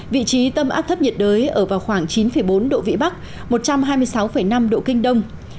vị trí tâm áp thấp nhiệt đới ở vào khoảng chín bốn độ vĩ bắc một trăm hai mươi sáu năm độ kinh đông